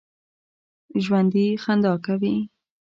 ژوندي خندا کوي